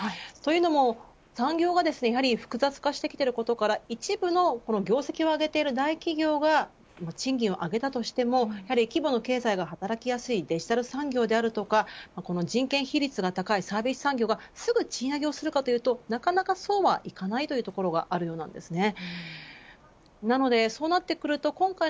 というのも産業がやはり複雑化してきていることから一部の業績を上げている大企業が賃金を上げたとしても規模の経済が働きやすいデジタル産業であるとか人件費率が高いサービス産業がすぐに賃上げをするかというとなかなかそうはいかないというところがあります。